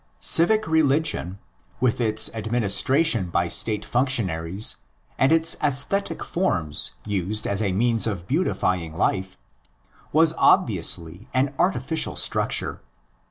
Civic religion, with its administration by State function aries and its esthetic forms used as a means of beautify ing life, was obviously an artificial structure.